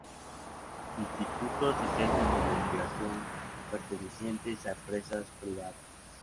Institutos y centros investigación pertenecientes a empresas privadas.